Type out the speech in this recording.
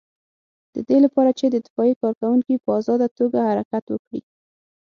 د دې لپاره چې د اطفائیې کارکوونکي په آزاده توګه حرکت وکړي.